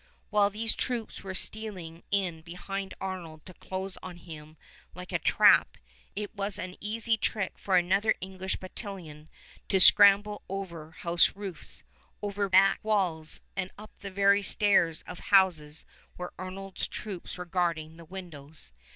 While these troops were stealing in behind Arnold to close on him like a trap, it was easy trick for another English battalion to scramble over house roofs, over back walls, and up the very stairs of houses where Arnold's troops were guarding the windows.